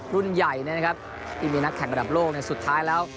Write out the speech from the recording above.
รุ่นใหญ่นะครับที่มีนักแข่งระดับโลกในสุดท้ายแล้ว